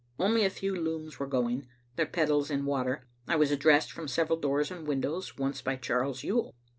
Only a few looms were going, their pedals in water. I was addressed from several doors and windows, once by Charles Yuill.